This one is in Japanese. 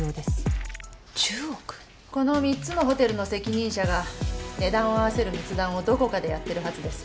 この３つのホテルの責任者が値段を合わせる密談をどこかでやってるはずです。